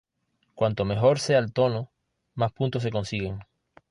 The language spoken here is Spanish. Cuanto mejor sea el tono, más puntos se consiguen.